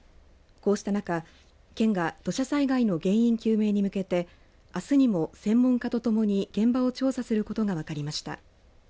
こうした中、県が土砂災害の原因究明に向けてあすにも専門家とともに現場を調査することが分かりました。